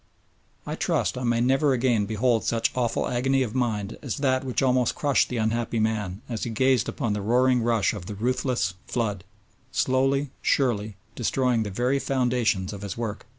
I trust I may never again behold such awful agony of mind as that which almost crushed the unhappy man as he gazed upon the roaring rush of the ruthless flood, slowly, surely destroying the very foundations of his work.